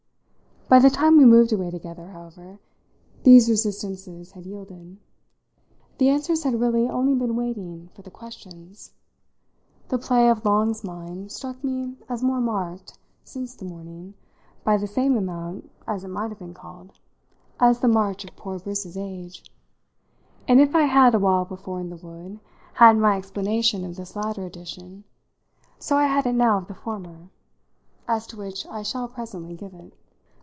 By the time we moved away together, however, these resistances had yielded. The answers had really only been waiting for the questions. The play of Long's mind struck me as more marked, since the morning, by the same amount, as it might have been called, as the march of poor Briss's age; and if I had, a while before, in the wood, had my explanation of this latter addition, so I had it now of the former as to which I shall presently give it.